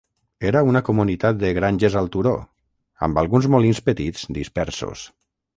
Era una comunitat de "granges al turó", amb alguns molins petits dispersos.